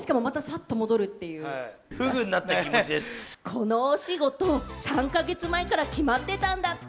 このお仕事、３か月前から決まってたんだって。